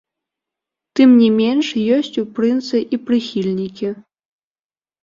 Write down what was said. Тым не менш, ёсць у прынца і прыхільнікі.